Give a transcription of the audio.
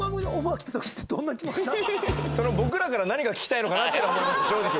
僕らから何が聞きたいのかなっていうのは思いました